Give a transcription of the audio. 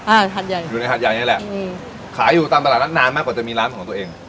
หัดใหญ่อยู่ในหาดใหญ่นี่แหละอืมขายอยู่ตามตลาดนัดนานมากกว่าจะมีร้านของตัวเอง